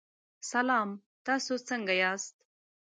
سلام، تاسو څنګه یاست؟